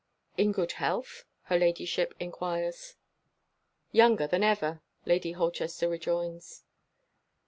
"In good health?" her ladyship inquires. "Younger than ever," Lady Holchester rejoins.